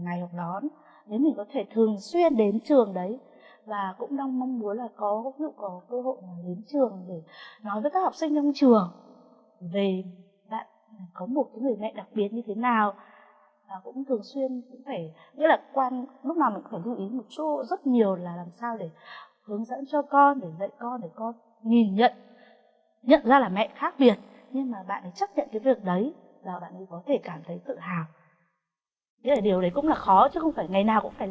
nghĩa là điều đấy cũng là khó chứ không phải ngày nào cũng phải làm đấy